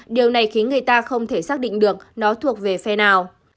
điều này khiến người ta không thể xác định được nó thuộc về phe nào